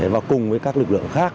và cùng với các lực lượng khác